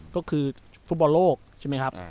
ก็คือฟุตบอลโลกใช่ไหมครับ